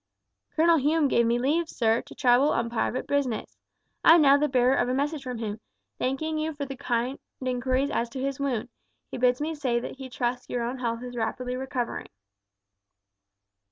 "Colonel Hume gave me leave, sir, to travel on private business. I am now the bearer of a message from him, thanking you for the kind inquiries as to his wound; he bids me say that he trusts that your own health is rapidly recovering."